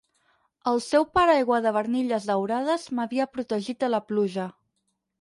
El seu paraigua de barnilles daurades m'havia protegit de la pluja.